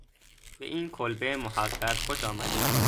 به این کلبه محقر خوش آمدید